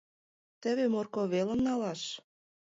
— Теве Морко велым налаш.